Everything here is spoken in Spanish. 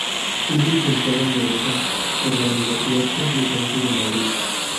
Es licenciado en derecho por la Universidad Complutense de Madrid.